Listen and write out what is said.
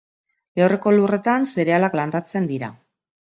Lehorreko lurretan, zerealak landatzen dira.